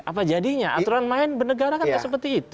apa jadinya aturan main bernegara kan nggak seperti itu